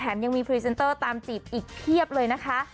ยังมีพรีเซนเตอร์ตามจีบอีกเพียบเลยนะคะ